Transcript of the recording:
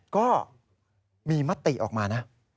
ก็มีมติออกมานะ